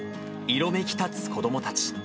色めきたつ子どもたち。